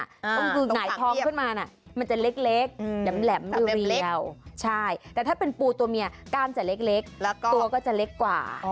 ก็คือหงายท้องขึ้นมาน่ะมันจะเล็กแหลมเรียวใช่แต่ถ้าเป็นปูตัวเมียกล้ามจะเล็กตัวก็จะเล็กกว่า